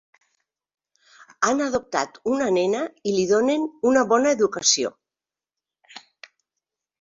Han adoptat una nena i li donen una bona educació.